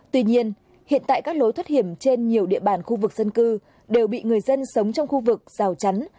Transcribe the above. tuy nhiên hiện tại các lối thoát hiểm trên nhiều địa bàn khu vực dân cư đều bị người dân sống trong khu vực rào chắn